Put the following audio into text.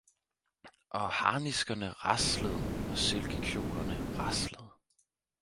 Og harniskerne raslede og silkekjolerne raslede